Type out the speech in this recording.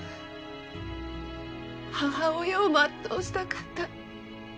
母親を全うしたかった。